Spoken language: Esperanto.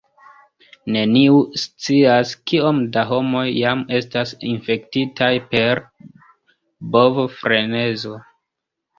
Neniu scias, kiom da homoj jam estas infektitaj per bovofrenezo.